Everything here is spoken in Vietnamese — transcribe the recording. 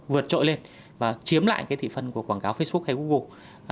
vượt trội lên và chiếm lại cái thị phần của quảng cáo facebook hay google